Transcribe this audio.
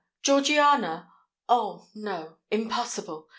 Georgiana!—oh! no—impossible!